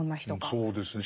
うんそうですね。